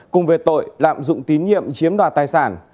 cùng về tội lạm dụng tín nhiệm chiếm đoạt tài sản